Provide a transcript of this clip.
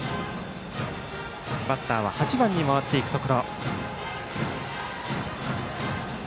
バッターは８番に回っていくところ。